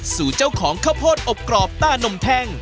สู่เจ้าของข้าวโพดอบกรอบต้านมแท่ง